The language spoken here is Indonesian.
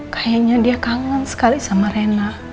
kayaknya dia kangen sekali sama rena